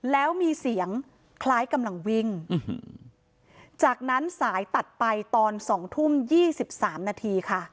แล้วมีเสียงคล้ายกำลังวิ่งจากนั้นสายตัดไปตอนสองทุ่มยี่สิบสามนาทีค่ะ